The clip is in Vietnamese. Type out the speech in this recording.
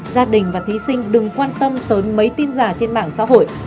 gia đình và thí sinh đừng quan tâm tới mấy tin giả trên mạng xã hội